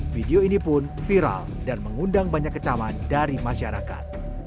video ini pun viral dan mengundang banyak kecaman dari masyarakat